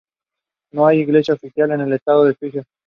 No hay iglesia oficial del estado en Suiza.